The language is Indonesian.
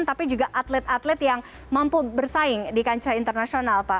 tapi juga atlet atlet yang mampu bersaing di kancah internasional pak